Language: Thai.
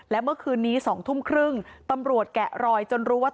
และเมื่อคืนนี้๒ทุ่มครึ่งตำรวจแกะรอยจนรู้ว่า